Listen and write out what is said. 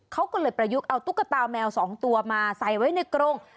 เขาก็เลยประยุกต์เอาตุ๊กตาแมว๒ตัวมาใส่ไว้ในกรง